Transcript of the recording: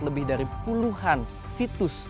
lebih dari puluhan situs